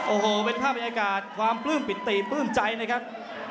โอ้โหเป็นภาพบรรยากาศความปลื้มปิติปลื้มใจนะครับ